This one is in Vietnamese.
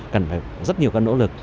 cần rất nhiều nỗ lực